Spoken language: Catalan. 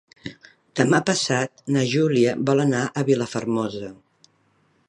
Demà passat na Júlia vol anar a Vilafermosa.